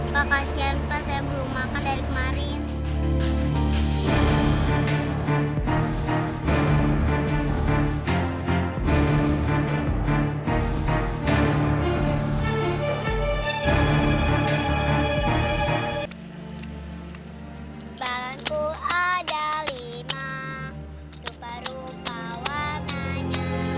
makasih ya saya belum makan dari kemarin